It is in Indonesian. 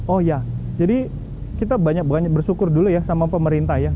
oh ya jadi kita banyak banyak bersyukur dulu ya sama pemerintah ya